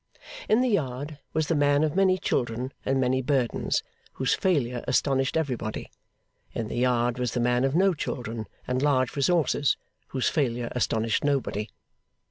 In the yard, was the man of many children and many burdens, whose failure astonished everybody; in the yard, was the man of no children and large resources, whose failure astonished nobody.